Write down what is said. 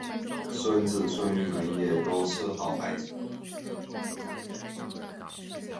孙子孙女们也都是好孩子